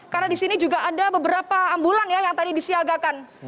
karena di sini juga ada beberapa ambulans yang tadi disiagakan